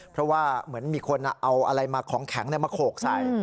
เพราะว่าเหมือนมีคนเอาอะไรมาของแข็งมาโขกใส่